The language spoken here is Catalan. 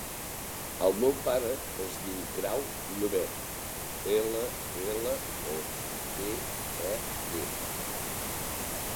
El meu pare es diu Grau Llobet: ela, ela, o, be, e, te.